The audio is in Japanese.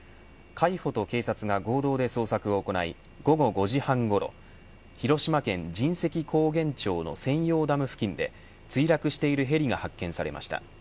海保と警察が合同で捜索を行い午後５時半ごろ広島県神石高原町の仙養ダム付近で墜落しているヘリが発見されました。